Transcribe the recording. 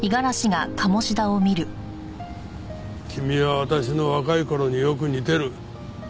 君は私の若い頃によく似てる。